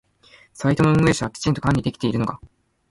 サイトの運営者はきちんと管理できているのか？